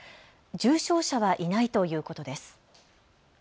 重症者はいないということです。